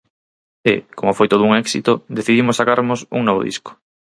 E, como foi todo un éxito, decidimos sacarmos un novo disco.